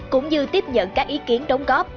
cũng như tiếp nhận các ý kiến đóng góp